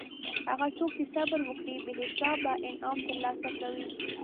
هغه څوک چې صبر وکړي بې حسابه انعام ترلاسه کوي.